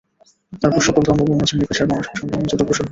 তারপর সকল ধর্ম, বর্ণ, শ্রেণি-পেশার মানুষকে সঙ্গে নিয়ে জোট অগ্রসর হয়েছে।